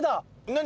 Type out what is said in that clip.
何？